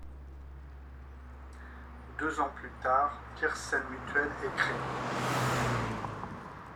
Deux ans plus tard, l’Ircem Mutuelle est créée.